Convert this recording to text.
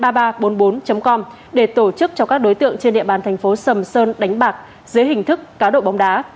câu lạc bộ gov đồng mô và câu lạc bộ gov đồng mô đã tổ chức cho các đối tượng trên địa bàn thành phố sầm sơn đánh bạc dưới hình thức cáo độ bóng đá